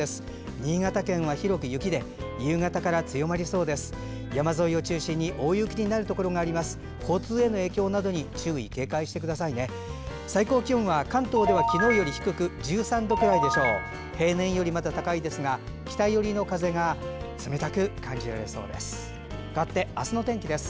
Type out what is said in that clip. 新潟県は広く雪で、夕方からは強まりそうです。